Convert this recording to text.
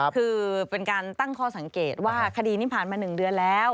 คือเป็นการตั้งข้อสังเกตว่าคดีนี้ผ่านมา๑เดือนแล้ว